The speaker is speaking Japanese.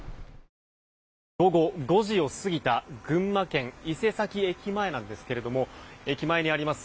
午後５時を過ぎた群馬県伊勢崎駅前なんですけども駅前にあります